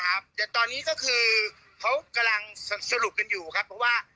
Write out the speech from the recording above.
เข้าไปบ้างไหมฮะตอนนี้ก็คือเขากำลังสรุปกันอยู่ครับว่า